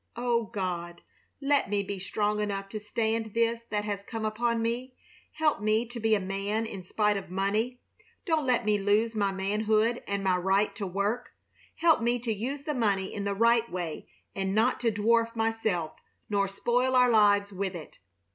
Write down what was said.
"O God, let me be strong enough to stand this that has come upon me. Help me to be a man in spite of money! Don't let me lose my manhood and my right to work. Help me to use the money in the right way and not to dwarf myself, nor spoil our lives with it."